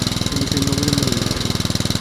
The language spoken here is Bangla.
কিন্তু সে নবজন্ম হল ইতালীর।